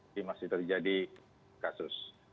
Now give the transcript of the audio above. ini masih terjadi kasus